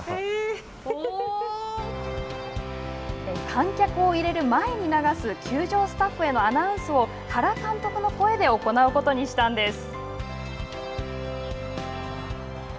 観客を入れる前に流す球場スタッフへのアナウンスを原監督の声で行うことにしたんです。